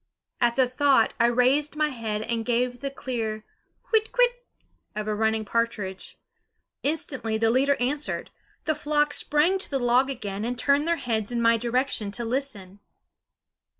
At the thought I raised my head and gave the clear whit kwit of a running partridge. Instantly the leader answered; the flock sprang to the log again and turned their heads in my direction to listen.